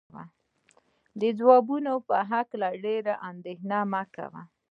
د ځوابونو په هکله ډېره اندېښنه مه کوئ.